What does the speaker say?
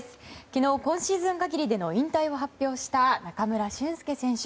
昨日、今シーズン限りでの引退を発表した中村俊輔選手。